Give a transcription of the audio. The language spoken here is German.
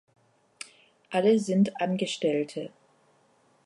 Alle sind Angestellte.